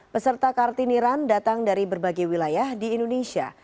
peserta kartini run datang dari berbagai wilayah di indonesia